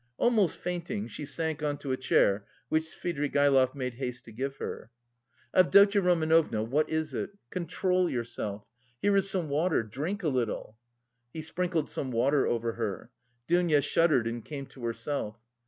Almost fainting, she sank on to a chair which Svidrigaïlov made haste to give her. "Avdotya Romanovna, what is it? Control yourself! Here is some water. Drink a little...." He sprinkled some water over her. Dounia shuddered and came to herself.